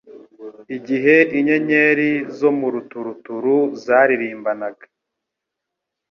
«igihe inyenyeri zo mu ruturuturu zaririmbanaga,